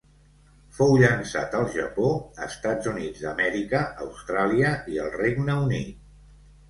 Fou llançat al Japó, Estats Units d'Amèrica, Austràlia i el Regne Unit.